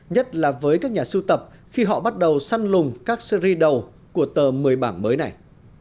nhất là với các nhà sưu tập khi họ bắt đầu săn lùng các series đầu của tờ một mươi bảng mới này